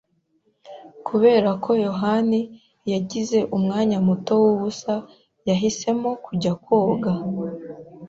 Kubera ko yohani yagize umwanya muto wubusa, yahisemo kujya koga.